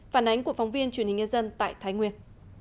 phản ánh của phóng viên truyền hình nhân dân tại thái nguyên